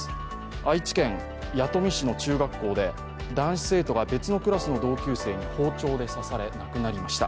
愛知県弥富市の中学校で男子生徒が別のクラスの同級生に包丁で刺され、亡くなりました。